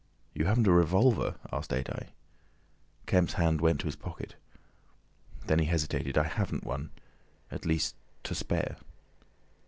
"You haven't a revolver?" asked Adye. Kemp's hand went to his pocket. Then he hesitated. "I haven't one—at least to spare."